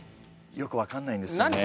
よく分かんないんですよね。